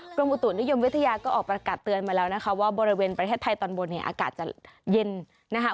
กรมอุตุนิยมวิทยาก็ออกประกาศเตือนมาแล้วนะคะว่าบริเวณประเทศไทยตอนบนเนี่ยอากาศจะเย็นนะคะ